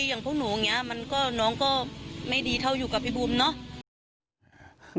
อย่างพวกหนูอย่างนี้มันก็น้องก็ไม่ดีเท่าอยู่กับพี่บูมเนาะ